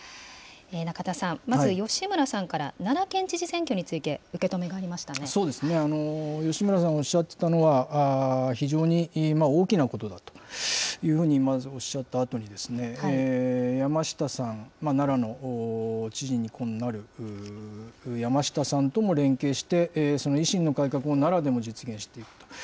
中田さん、まず吉村さんから、奈良県知事選挙について受け止めがそうですね、吉村さんおっしゃってたのは、非常に大きなことだというふうに、まず、おっしゃったあとに、山下さん、奈良の知事に今度なる山下さんとも連携して、その維新の改革を奈良でも実現していくと。